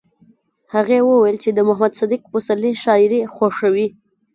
هغې وویل چې د محمد صدیق پسرلي شاعري خوښوي